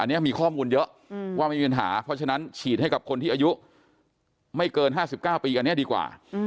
อันนี้มีข้อมูลเยอะว่าไม่มีปัญหาเพราะฉะนั้นฉีดให้กับคนที่อายุไม่เกิน๕๙ปีอันนี้ดีกว่า